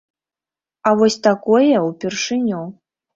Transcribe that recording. А вось такое ўпершыню.